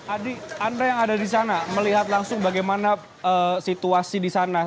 adi anda yang ada di sana melihat langsung bagaimana situasi di sana